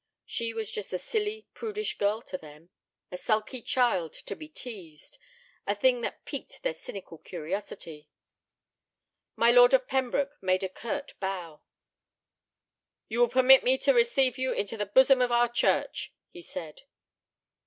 She was just a silly, prudish girl to them; a sulky child to be teased; a thing that piqued their cynical curiosity. My Lord of Pembroke made her a curt bow. "You will permit me to receive you into the bosom of our church," he said.